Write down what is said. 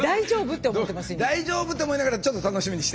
「大丈夫？」って思いながらちょっと楽しみにしている。